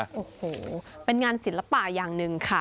โอ้โหเป็นงานศิลปะอย่างหนึ่งค่ะ